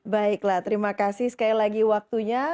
baiklah terima kasih sekali lagi waktunya